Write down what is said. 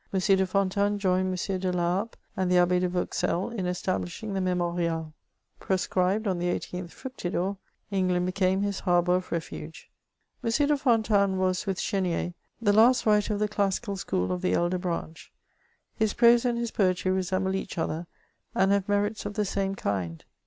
de Fontanes joined M. de Laharpe and the Abb6 de Vauxelles in establishing the Memorial, Proscribed on the 18th Fructidor, England became his harbour of refuge. M. de Fontanes was, with Chenier, the last writer of the classical school of the elder branch ; his prose and his poetry resemble each other, and have merits of the same kind.